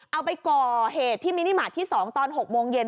เอาไปก่อเหตุที่มินิมาตรที่๒ตอน๖โมงเย็น